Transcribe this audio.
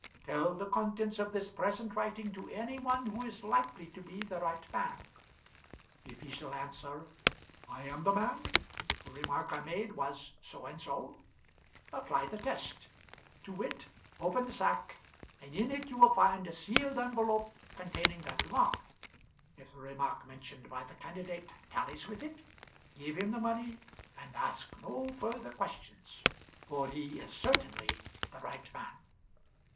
Tell the contents of this present writing to any one who is likely to be the right man. If he shall answer, 'I am the man; the remark I made was so and so,' apply the test to wit: open the sack, and in it you will find a sealed envelope containing that remark. If the remark mentioned by the candidate tallies with it, give him the money, and ask no further questions, for he is certainly the right man.